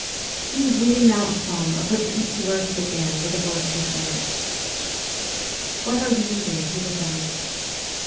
He was reading now a psalm of which each verse began with the word ' rejoice.' ' What are you reading ?' he was asked.